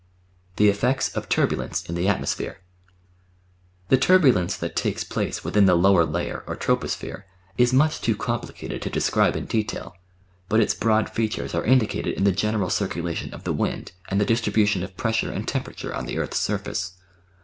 M The Effects of Turbulence in the Atmosphere The turbulence that takes place within the lower layer, or troposphere, is much too complicated to describe in detail, but its The Science of the Weather 771 broad features are indicated in the general circulation of the wind and the distribution of pressure and temperature on the earth's surface.